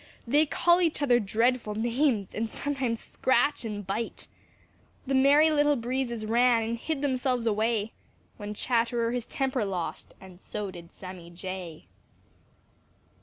They call each other dreadful names, And sometimes scratch and bite. The Merry Little Breezes ran And hid themselves away When Chatterer his temper lost, And so did Sammy Jay.